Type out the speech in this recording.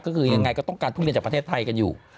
ก็คือยังไงก็ต้องการทุเรียนจากประเทศไทยกันอยู่